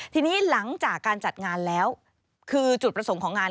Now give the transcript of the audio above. ทีนี้หลังจากการจัดงานแล้วคือจุดประสงค์ของงาน